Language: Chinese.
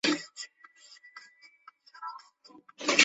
林石草属为植物界之一植物属。